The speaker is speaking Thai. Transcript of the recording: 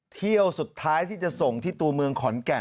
เที่ยวสุดท้ายที่จะส่งที่ตัวเมืองขอนแก่น